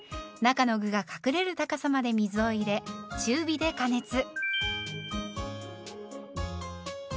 中の具が隠れる高さまで水を入れ中火で加熱。